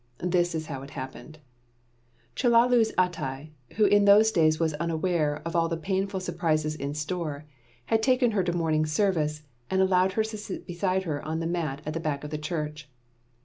This was how it happened. Chellalu's Attai, who in those days was unaware of all the painful surprises in store, had taken her to morning service, and allowed her to sit beside her on the mat at the back of the church.